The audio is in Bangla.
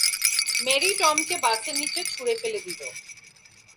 মেরি টমকে বাসের নিচে ছুরে ফেলে দিলো।